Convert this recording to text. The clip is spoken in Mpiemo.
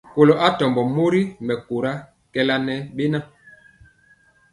Kɔlo atɔmbɔ mori mɛkóra kɛɛla ŋɛ beŋa.